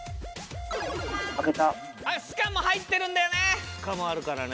スカも入ってるんだよね。